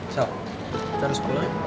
so cari sekolah